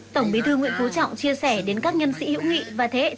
tổng bí thư nguyễn phú trọng chia sẻ đến các nhân sĩ hữu nghị và thế hệ trang trọng